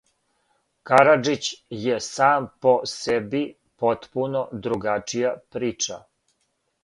Караџић је сам по себи потпуно другачија прича.